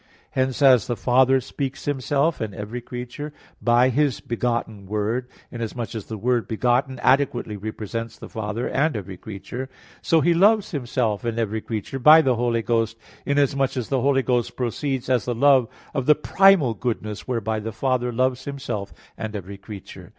Hence, as the Father speaks Himself and every creature by His begotten Word, inasmuch as the Word "begotten" adequately represents the Father and every creature; so He loves Himself and every creature by the Holy Ghost, inasmuch as the Holy Ghost proceeds as the love of the primal goodness whereby the Father loves Himself and every creature.